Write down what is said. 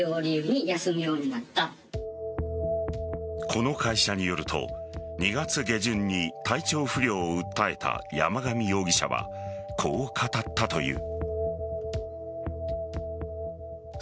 この会社によると２月下旬に体調不良を訴えた山上容疑者はこう語ったという。